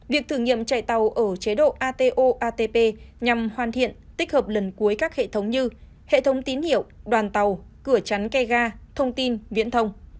việc thử nghiệm chạy tàu ở chế độ ato atp nhằm hoàn thiện tích hợp lần cuối các hệ thống như hệ thống tín hiệu đoàn tàu cửa chắn ghe ga thông tin viễn thông